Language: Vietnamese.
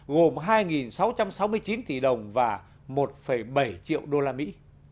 gồm hai sáu trăm sáu mươi chín tỷ đồng và một bảy triệu đô la mỹ